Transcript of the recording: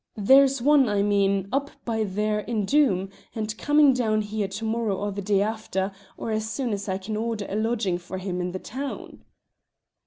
There's one, I mean, up by there in Doom, and coming down here to morrow or the day after, or as soon as I can order a lodging for him in the town."